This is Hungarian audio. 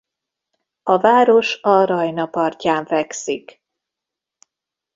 A város a Rajna partján fekszik.